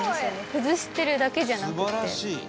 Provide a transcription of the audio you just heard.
崩してるだけじゃなくて。